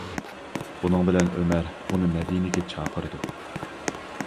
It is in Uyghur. بۇنىڭ بىلەن ئۆمەر ئۇنى مەدىنىگە چاقىرىدۇ.